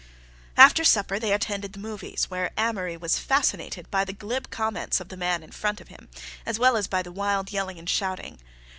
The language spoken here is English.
After supper they attended the movies, where Amory was fascinated by the glib comments of a man in front of him, as well as by the wild yelling and shouting.